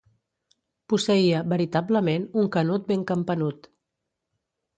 Posseïa, veritablement, un canut ben campanut.